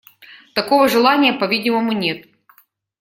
Такого желания, по-видимому, нет.